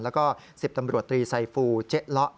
แล้วก็๑๐ตำรวจตรีไซฟูเจ๊เลาะ